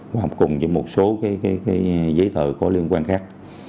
học cùng với một số giấy thờ có liên quan khác